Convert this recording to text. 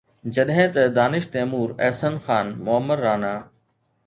جڏهن ته دانش تيمور، احسن خان، معمر رانا